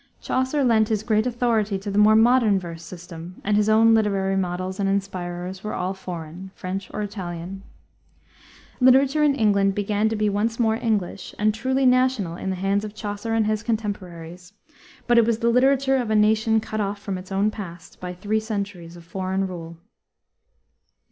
Chaucer lent his great authority to the more modern verse system, and his own literary models and inspirers were all foreign, French or Italian. Literature in England began to be once more English and truly national in the hands of Chaucer and his contemporaries, but it was the literature of a nation cut off from its own past by three centuries of foreign rule.